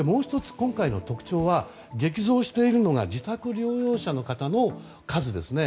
今回の特徴は激増しているのが自宅療養者の方の数ですね。